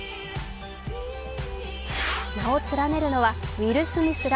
名を連ねるのはウィル・スミスら